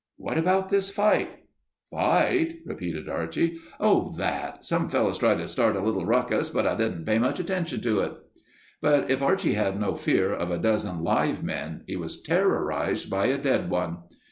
"What about this fight?" "Fight?" repeated Archie. "Oh, that—some fellows tried to start a little ruckus but I didn't pay much attention to it." But if Archie had no fear of a dozen live men, he was terrorized by a dead one.